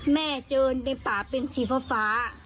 แม่เจอในป่าเป็นสีฟ้า